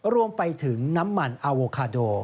รวมไปถึงน้ำมันอาโวคาโด